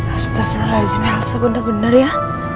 astaghfirullahaladzim ya allah sebenar benar ya